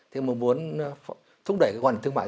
thế mà muốn thúc đẩy quản lý thương mại